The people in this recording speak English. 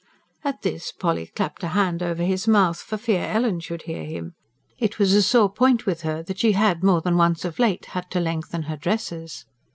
At this Polly clapped a hand over his mouth, for fear Ellen should hear him. It was a sore point with her that she had more than once of late had to lengthen her dresses.